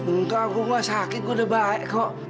enggak enggak sakit gue udah baik kok